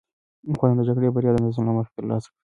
افغانانو د جګړې بریا د نظم له مخې ترلاسه کړه.